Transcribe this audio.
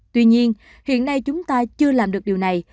tuy nhiên hiện nay chúng ta chưa làm được điều này